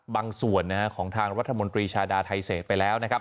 บางส่วนของทางรัฐมนตรีชาดาไทเศษไปแล้วนะครับ